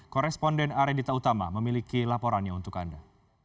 korresponden arendita utama memiliki laporannya untuk anda